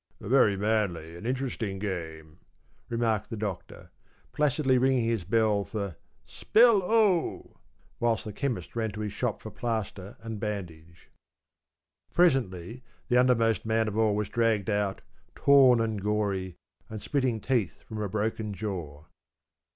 ‘A very manly and interesting game,’ remarked the Doctor, placidly ringing his bell for ‘Spell, oh!’ whilst the Chemist ran to his shop for plaster and bandage. Presently, the undermost man of all was dragged out, torn and gory, and spitting teeth from a broken jaw.